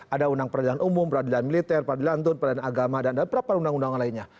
ada undang peradilan umum peradilan militer peradilan agama dan peradilan peradilan agama